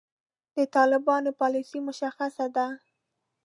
د طالبانو پالیسي مشخصه ده.